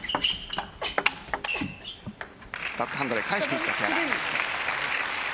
バックハンドで返していった木原。